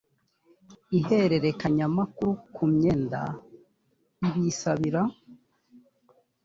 ihererekanyamakuru ku myenda ibisabira